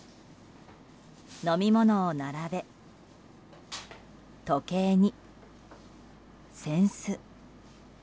飲み物を並べ、時計に扇子。